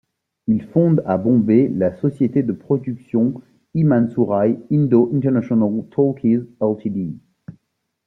Il fonde à Bombay la société de production Himansurai Indo-International Talkies Ltd.